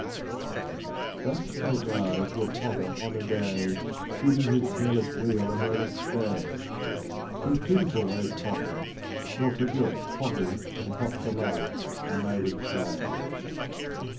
Thus spake I to a potter on a day. Bidding his careless wheel a moment stay — /4<^."Be pitiful, O potter, nor forget Potters and pots alike are made of clay."